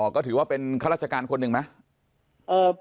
ก็ถือว่าเป็นข้าราชการคนหนึ่งไหม